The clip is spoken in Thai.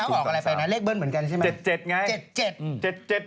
ว่าที่เล้วออกอะไรไปแล้วเบิร์นเหมือนกันใช่ไหม